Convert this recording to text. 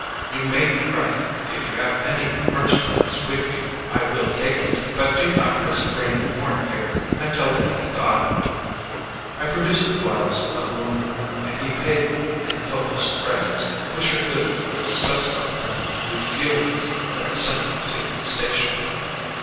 "You may be right. If you have any merchandise with you, I will take it, but do not risk bringing more here until they have gone." I produced the vials of Moon Glow, and he paid me in Phobos credits, which are good for a specified number of refuelings at the Central fueling station.